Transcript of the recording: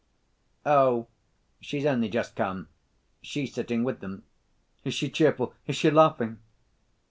"Oh, she's only just come. She's sitting with them." "Is she cheerful? Is she laughing?"